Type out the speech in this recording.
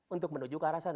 untuk menuju ke arah sana